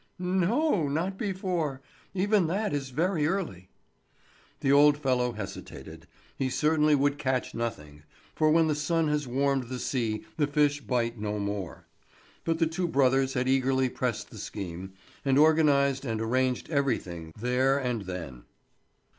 "No, not before. Even that is very early." The old fellow hesitated; he certainly would catch nothing, for when the sun has warmed the sea the fish bite no more; but the two brothers had eagerly pressed the scheme, and organized and arranged everything there and then.